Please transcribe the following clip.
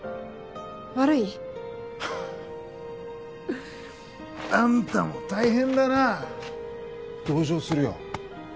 悪い？あんたも大変だな同情するよ